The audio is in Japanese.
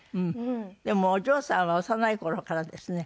でもお嬢さんは幼い頃からですね